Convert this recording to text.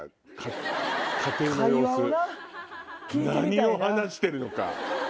何を話してるのか。